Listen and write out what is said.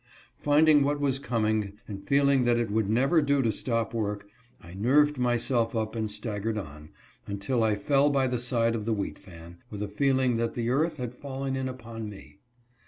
Finding what was coming, and feeling that it would never do to stop work, I nerved myself up and staggered on, until I fell by the side of the wheat fan. with a feeling that the earth had fallen in upon me.